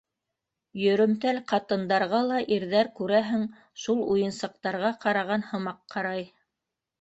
Йөрөмтәл ҡатындарға ла ирҙәр, күрәһең, шул уйынсыҡтарға ҡараған һымаҡ ҡарай.